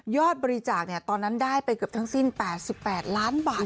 บริจาคตอนนั้นได้ไปเกือบทั้งสิ้น๘๘ล้านบาท